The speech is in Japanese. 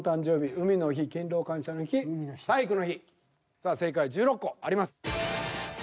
さあ正解１６個あります。